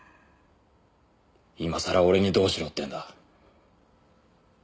今さら俺にどうしろっていうんだ。